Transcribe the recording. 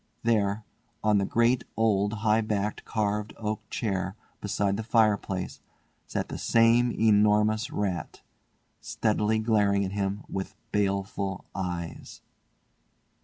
There, on the great old high backed carved oak chair beside the fireplace sat the same enormous rat, steadily glaring at him with baleful eyes.